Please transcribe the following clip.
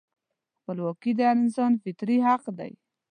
خپلواکي د هر انسان فطري حق دی.